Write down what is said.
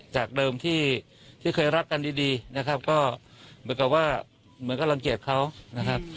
จากเดิมที่เคยรักกันดีนะครับก็เหมือนกับว่าเหมือนก็รังเกียจเขานะครับ